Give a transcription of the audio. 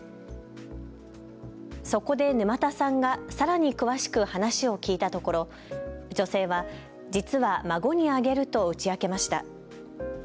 そこで沼田さんがさらに詳しく話を聞いたところ、女性は実は孫にあげると打ち明けました。